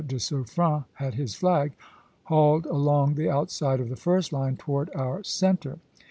de Suffren had his flag, hauled along the outside of the first line toward our centre.